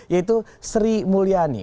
yaitu sri mulyani